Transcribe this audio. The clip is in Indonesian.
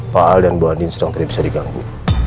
pak al dan bu andin sedang terbisa diganggu